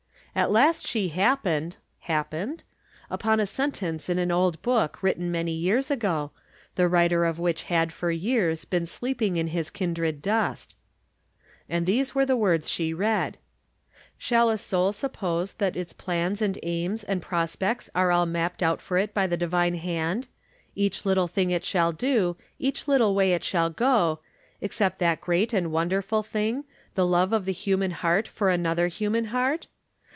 At last she happened (?) upon a sentence in an old book written many years ago, the writer of which had for years been sleeping in his kindred dust ; and these were the words she read :" Shall a soul suppose that its plans and aims and pros pects are all mapped out for it by the divine hand — each little thing it shall do, each little way it shall go, except that great and wonderful thing, the love of the human heart for another human heart